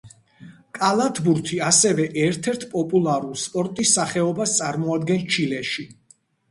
კალათბურთი ასევე ერთ-ერთ პოპულარულ სპორტის სახეობას წარმოადგენს ჩილეში.